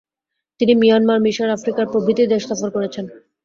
তিনি মিয়ানমার, মিশর, আফ্রিকার প্রভৃতি দেশ সফর করেছেন।